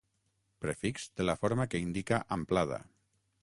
Prefix de la forma que indica amplada.